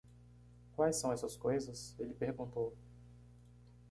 "Quais são essas coisas?", ele perguntou.